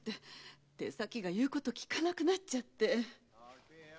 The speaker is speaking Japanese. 手先がいうこときかなくなっちゃって。